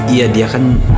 iya dia kan